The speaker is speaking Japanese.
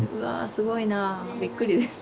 すごいなびっくりです